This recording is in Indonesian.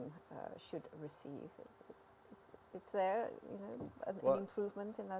apakah ada perbaikan di area itu